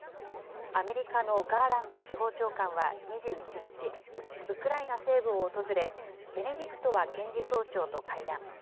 アメリカのガーランド司法長官は２１日、ウクライナ西部を訪れ、ベネディクトワ検事総長と会談。